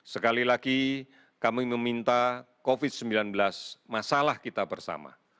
sekali lagi kami meminta covid sembilan belas masalah kita bersama